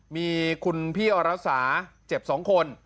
มีคุณพี่อรสาเจ็บ๒คน